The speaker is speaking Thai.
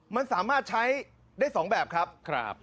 มันสามารถใช้ได้๒แบบครับ